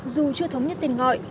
dù chưa thống nhất tên gọi